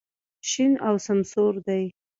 شین او سمسور دی.